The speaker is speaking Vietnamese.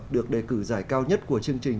được đề cử giải cao nhất của chương trình